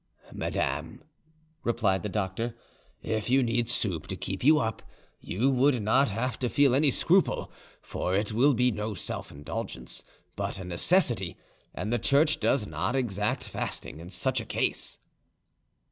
"Madame," replied the doctor, "if you needed soup to keep you up, you would not have to feel any scruple, for it will be no self indulgence, but a necessity, and the Church does not exact fasting in such a case."